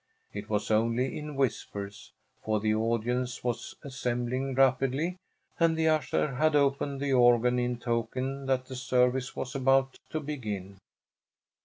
It was only in whispers, for the audience was assembling rapidly, and the usher had opened the organ in token that the service was about to begin.